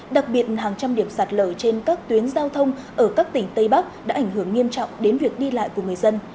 đặc biệt hàng trăm điểm sạt lở trên các tuyến giao thông ở các tỉnh tây bắc đã ảnh hưởng nghiêm trọng đến việc đi lại của người dân